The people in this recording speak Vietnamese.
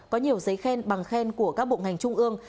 có nhiều giấy khen bằng khen của các bộ ngành trung ương